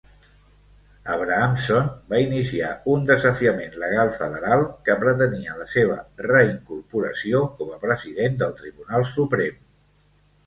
Abrahamson va iniciar un desafiament legal federal que pretenia la seva reincorporació com a president del Tribunal Suprem.